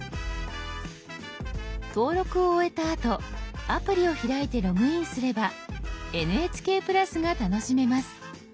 登録を終えたあとアプリを開いてログインすれば「ＮＨＫプラス」が楽しめます。